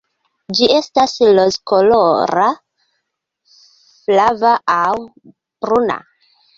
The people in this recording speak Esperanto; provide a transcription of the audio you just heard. Ĝi estas rozkolora, flava aŭ bruna.